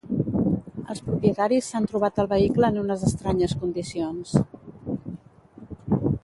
Els propietaris s'han trobat el vehicle en unes estranyes condicions.